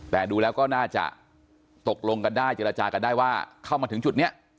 แต่ดูแล้วก็น่าจะตกลงกันได้เจรจากันได้ว่าเข้ามาถึงจุดนี้